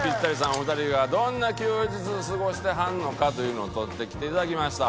お二人がどんな休日を過ごしてはんのかというのを撮ってきていただきました。